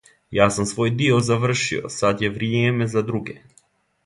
Ја сам свој дио завршио, сад је вријеме за друге.